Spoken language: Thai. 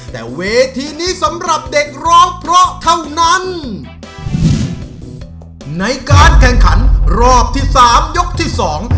แต่เวทีนี้สำหรับเด็กร้องเพราะเท่านั้นในการแข่งขันรอบที่สามยกที่สอง